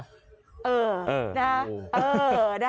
เออนะครับ